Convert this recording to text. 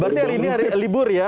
berarti hari ini hari libur ya